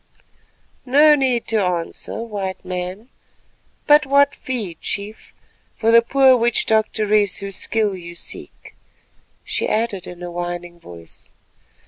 No need to answer, White Man, but what fee, Chief, for the poor witch doctoress whose skill you seek," she added in a whining voice.